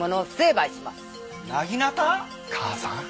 母さん。